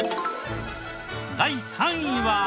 第３位は。